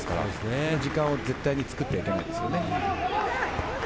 その時間を絶対に作ってはいけないです。